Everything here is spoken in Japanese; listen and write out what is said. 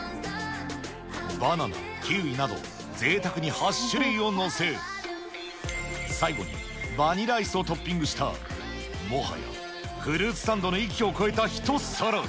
バナナ、キウイなど、ぜいたくに８種類を載せ、最後にバニラアイスをトッピングしたもはやフルーツサンドの域を超えた一皿。